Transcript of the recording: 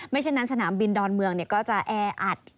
เช่นนั้นสนามบินดอนเมืองก็จะแออัด